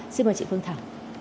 xin mời chị phương thảo